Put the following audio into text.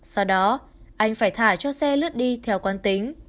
sau đó anh phải thả cho xe lướt đi theo quan tính